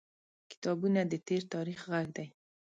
• کتابونه د تیر تاریخ غږ دی.